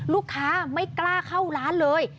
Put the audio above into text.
ลูกค้าไม่กล้าเข้าร้านเลย